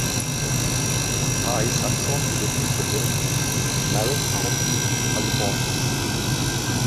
Sky Saxon lebte zuletzt in Marin County, Kalifornien.